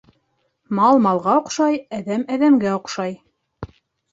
Мал малға оҡшай, әҙәм әҙәмгә оҡшай.